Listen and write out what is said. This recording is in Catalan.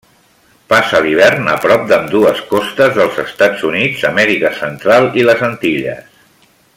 Passa l'hivern a prop d'ambdues costes dels Estats Units, Amèrica Central i les Antilles.